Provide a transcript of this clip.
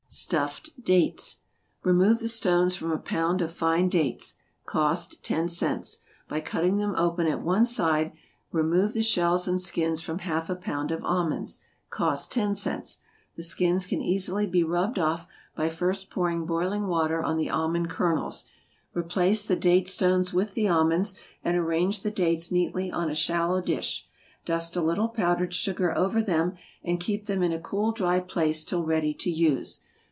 =Stuffed Dates.= Remove the stones from a pound of fine dates, (cost ten cents,) by cutting them open at one side; remove the shells and skins from half a pound of almonds, (cost ten cents;) the skins can easily be rubbed off by first pouring boiling water on the almond kernels; replace the date stones with the almonds, and arrange the dates neatly on a shallow dish; dust a little powdered sugar over them, and keep them in a cool, dry place till ready to use.